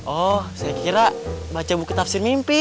oh saya kira baca bukit tafsir mimpi